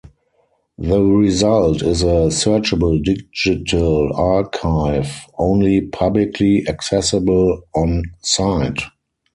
The result is a searchable digital archive, only publicly accessible on site.